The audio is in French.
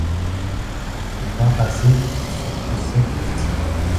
On ne sait pas assez ce que c'est que le style.